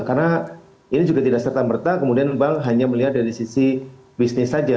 karena ini juga tidak serta merta kemudian bank hanya melihat dari sisi bisnis saja